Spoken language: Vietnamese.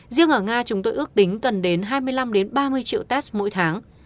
riêng ở nga chúng tôi ước tính cần đến hai mươi năm ba mươi triệu test mỗi tháng